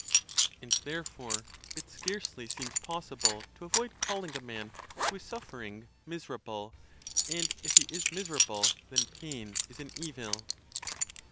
And therefore it scarcely seems possible to avoid calling a man who is suffering, miserable; and if he is miserable, then pain is an evil.